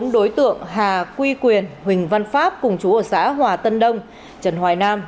bốn đối tượng hà quy quyền huỳnh văn pháp cùng chú ở xã hòa tân đông trần hoài nam